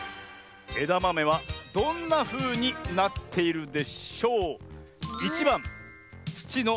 えだまめはどんなふうになっているでしょう？